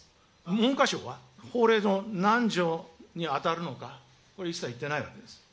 文科省は法令の何条に当たるのか、これ一切言ってないわけです。